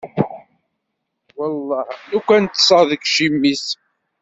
Welleh, a lukan ad ṭṭseɣ deg iciwi-s.